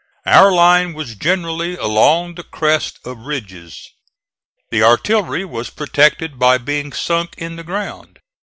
Our line was generally along the crest of ridges. The artillery was protected by being sunk in the ground.